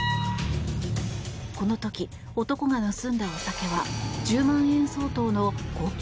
この時、男が盗んだお酒は１０万円相当の高級